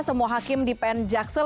semua hakim di pn jaksel